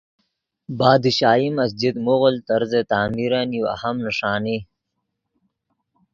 بادشاہی مسجد مغل طرزِ تعمیرن یو اہم نݰانی